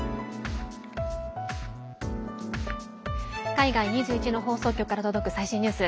海外２１の放送局から届く最新ニュース。